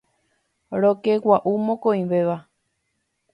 Rokegua'u mokõivéva.